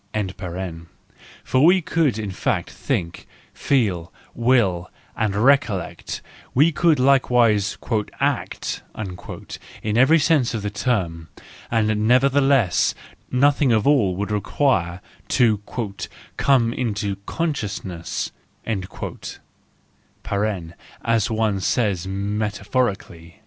For we could in fact think, feel, will, and recollect, we could likewise " act " in every sense of the term, and nevertheless nothing of it all would* require to " come into consciousness " (as one says meta¬ phorically).